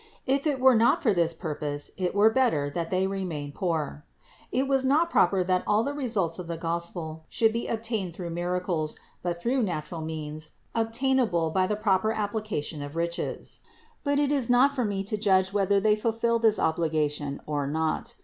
If it were not for this purpose, it were better that they remain poor. It was not proper that all the results of the Gos pel should be obtained through miracles, but through natural means, obtainable by the proper application of riches. But it is not for me to judge whether they ful fill this obligation or not.